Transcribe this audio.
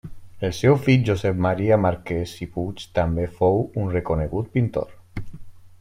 El seu fill Josep Maria Marquès i Puig també fou un reconegut pintor.